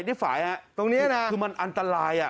นี่ฝ่ายฮะตรงเนี้ยนะคือมันอันตรายอ่ะ